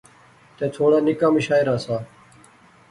تو تھوڑا نکا مشاعرہ سا